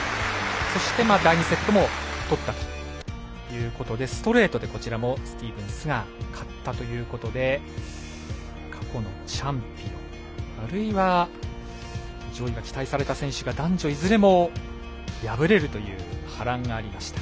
そして、第２セットも取ったということでストレートで、こちらもスティーブンスが勝ったということで過去のチャンピオンあるいは上位が期待された選手が男女いずれも敗れるという波乱がありました。